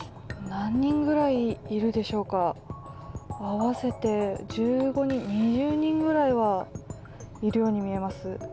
何人ぐらいいるでしょうか、合わせて２０人ぐらいはいるように見えます。